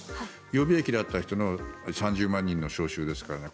予備役だった人の３０万人の招集ですからね